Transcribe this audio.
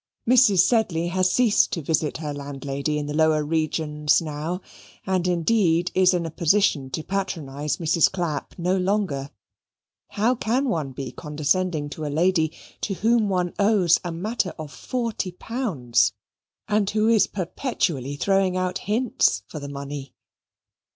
Mrs. Sedley has ceased to visit her landlady in the lower regions now, and indeed is in a position to patronize Mrs. Clapp no longer. How can one be condescending to a lady to whom one owes a matter of forty pounds, and who is perpetually throwing out hints for the money?